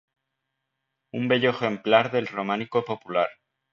Un bello ejemplar del románico popular.